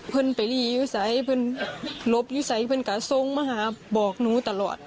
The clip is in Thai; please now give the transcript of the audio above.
เพื่อนไปรีวิวใสเพื่อนหลบนิสัยเพื่อนกระทรงมาหาบอกหนูตลอด